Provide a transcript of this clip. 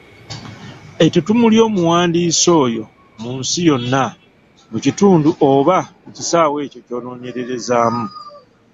Ettuttumu ly’omuwandiisi oyo mu nsi yonna, mu kitundu oba mu kisaawe ekyo ky’onoonyererezaamu.